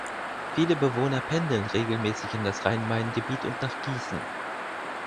Viele Bewohner pendeln regelmäßig in das Rhein-Main-Gebiet und nach Gießen.